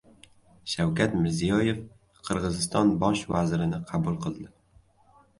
Shavkat Mirziyoev Qirg‘iziston Bosh vazirini qabul qildi